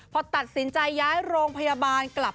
พอตัดสินใจย้ายโรงพยาบาลกลับ